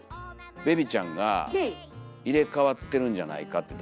ベビちゃんが入れ代わってるんじゃないか誰かと。